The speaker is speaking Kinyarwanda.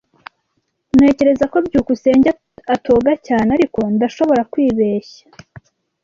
Ntekereza ko byukusenge atoga cyane, ariko ndashobora kwibeshya.